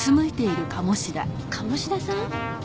鴨志田さん？